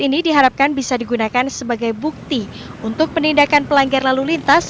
ini diharapkan bisa digunakan sebagai bukti untuk penindakan pelanggar lalu lintas